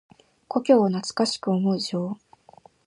故郷を懐かしく思う情。